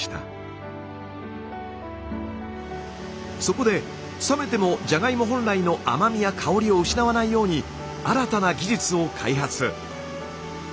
そこで冷めてもじゃがいも本来の甘みや香りを失わないように新たな技術を開発。